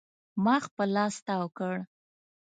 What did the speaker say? ما خپل لاس تاو کړ.